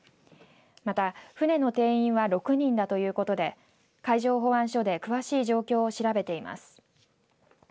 また船の定員は６人だということで海上保安署で詳しい状況を調べています。